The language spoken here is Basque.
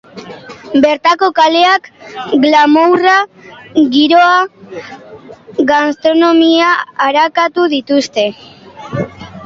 Bertako kaleak, glamourra, giroa, gastronomia arakatu dituzte.